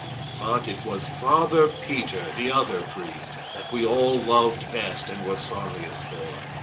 But it was Father Peter, the other priest, that we all loved best and were sorriest for.